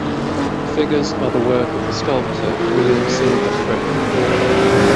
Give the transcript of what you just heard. The figures are the work of the sculptor William Silver Frith.